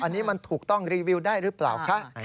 อันนี้มันถูกต้องรีวิวได้หรือเปล่าคะ